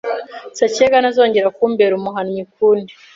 Sacyega ntazongere kumbera umuhannyi ukundi